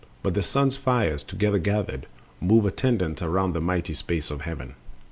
But the sun's fires, together gathered, move Attendant round the mighty space of heaven, 42.